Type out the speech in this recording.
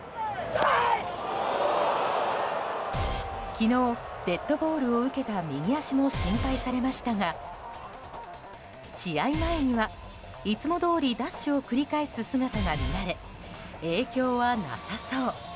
昨日、デッドボールを受けた右足も心配されましたが、試合前にはいつもどおりダッシュを繰り返す姿が見られ影響はなさそう。